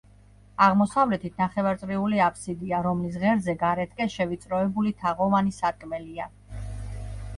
აღმოსავლეთით ნახევარწრიული აბსიდია, რომლის ღერძზე გარეთკენ შევიწროვებული თაღოვანი სარკმელია.